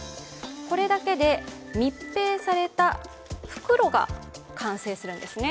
これだけで密閉された袋が完成するんですね。